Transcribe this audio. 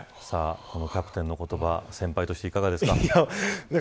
キャプテンの言葉先輩として、いかがですか。